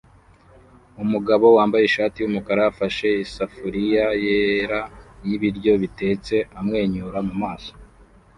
Umugabo wambaye ishati yumukara ufashe isafuriya yera y'ibiryo bitetse amwenyura mumaso